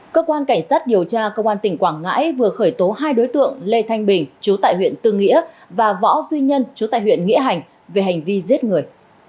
cơ quan cảnh sát điều tra công an tỉnh quảng ngãi vừa khởi tố hai đối tượng lê thanh bình chú tại huyện tư nghĩa và võ duy nhân chú tại huyện nghĩa hành về hành vi giết người